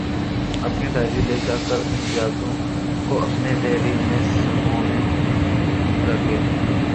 اپنی ڈائری لے جا کر ان یادوں کو اپنی تحریر میں سمونے لگا